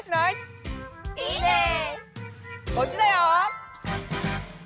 こっちだよ。